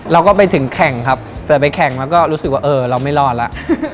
เราก็ไปถึงแข่งครับแต่ไปแข่งแล้วก็รู้สึกว่าเออเราไม่รอดแล้ว